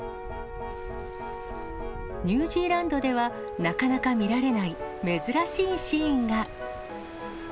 ニュージーランドではなかなか見られない珍しいシーンが。